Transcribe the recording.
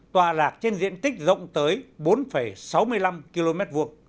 tòa lạc trên diện tích rộng tới bốn sáu mươi năm km hai